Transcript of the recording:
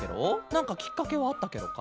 なんかきっかけはあったケロか？